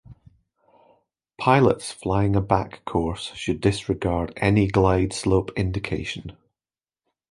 Pilots flying a back course should disregard any glide slope indication.